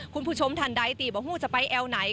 คุณผู้ชมทันใดตีบ่หูจะไปแอวไหน